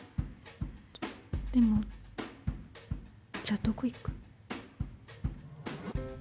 でも、じゃあ、どこ行く？